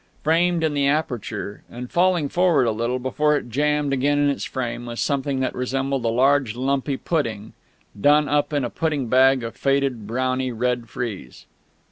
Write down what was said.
Framed in the aperture, and falling forward a little before it jammed again in its frame, was something that resembled a large lumpy pudding, done up in a pudding bag of faded browny red frieze.